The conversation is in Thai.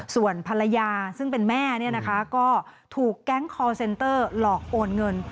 ส่วนภรรยาซึ่งเป็นแม่ก็ถูกแก๊งคอร์เซ็นเตอร์หลอกโอนเงิน